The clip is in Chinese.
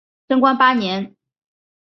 贞观八年。